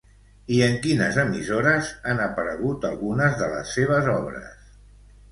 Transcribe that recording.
I en quines emissores han aparegut algunes de les seves obres?